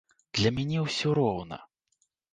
Для мяне ўсё роўна.